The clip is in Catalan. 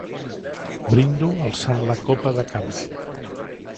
Brindo alçant la copa de cava.